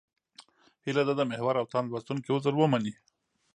هیله ده د محور او تاند لوستونکي عذر ومني.